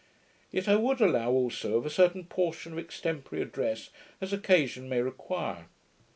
Yet I would allow also of a certain portion of extempore address, as occasion may require.